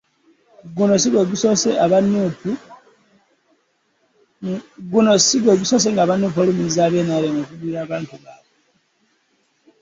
Guno si gwe gusoose nga aba NUP balumiriza aba NRM okugulirira abantu baabwe.